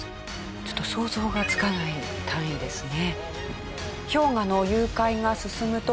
ちょっと想像がつかない単位ですね。